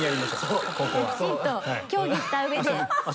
きちんと協議した上で。